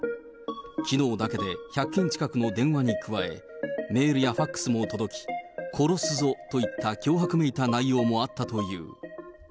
きのうだけで１００件近くの電話に加え、メールやファックスも届き、殺すぞといった脅迫めいた内容もあったという。